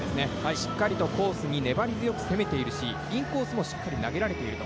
しっかりとコースに粘り強く攻めているし、インコースもしっかり投げられていると。